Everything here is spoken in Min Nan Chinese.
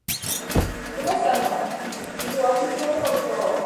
按怎講攏毋聽